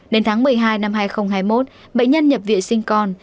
đến tháng một mươi hai năm hai nghìn hai mươi một bệnh nhân nhập viện sinh con